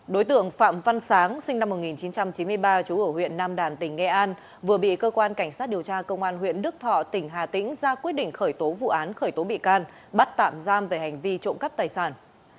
đối tượng phạm văn sáng sinh năm một nghìn chín trăm chín mươi ba chú ở huyện nam đàn tỉnh nghệ an vừa bị cơ quan cảnh sát điều tra công an huyện đức thọ tỉnh hà tĩnh ra quyết định khởi tố vụ án khởi tố bị can bắt tạm giam về hành vi trộm cắp tài sản